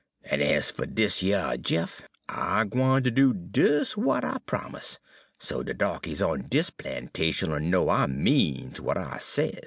En ez fer dis yer Jeff, I'm gwine ter do des w'at I promus', so de darkies on dis plantation'll know I means w'at I sez.'